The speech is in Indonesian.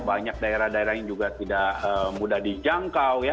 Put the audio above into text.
banyak daerah daerah yang juga tidak mudah dijangkau ya